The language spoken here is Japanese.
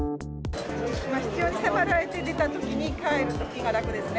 必要に迫られて出たときに、帰るときが楽ですね。